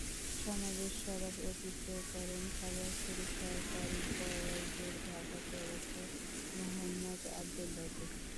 সমাবেশে সভাপতিত্ব করেন খাগড়াছড়ি সরকারি কলেজের ভারপ্রাপ্ত অধ্যক্ষ মোহাম্মদ আবদুল লতিফ।